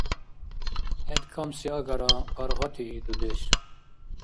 Хӏед камси агара, паргъатии, дудеш.